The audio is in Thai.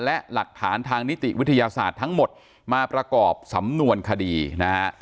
และหลักฐานทางนิติวิทยาศาสตร์ทั้งหมดมาประกอบสำนวนคดีนะฮะ